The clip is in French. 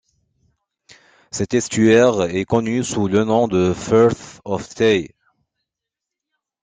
Cet estuaire est connu sous le nom de Firth of Tay.